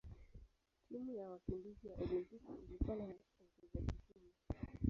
Timu ya wakimbizi ya Olimpiki ilikuwa na wachezaji kumi.